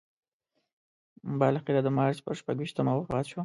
بالاخره د مارچ پر شپږویشتمه وفات شو.